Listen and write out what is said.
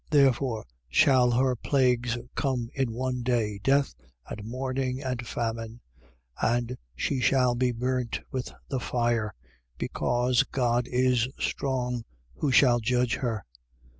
18:8. Therefore, shall her plagues come in one day, death and mourning and famine. And she shall be burnt with the fire: because God is strong, who shall judge her.